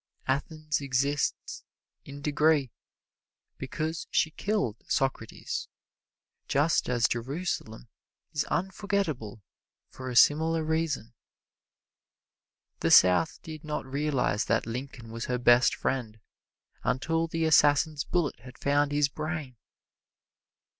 Athens exists, in degree, because she killed Socrates, just as Jerusalem is unforgetable for a similar reason. The South did not realize that Lincoln was her best friend until the assassin's bullet had found his brain.